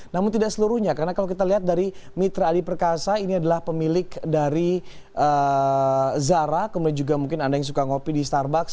namun tidak seluruhnya karena kalau kita lihat dari mitra adi perkasa ini adalah pemilik dari zara kemudian juga mungkin anda yang suka ngopi di starbucks